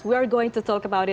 kita akan bicara tentangnya nanti